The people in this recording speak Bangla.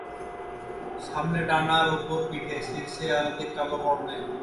সামনের ডানার ওপর-পিঠে, শীর্ষ অনধিক কালো বর্ণের।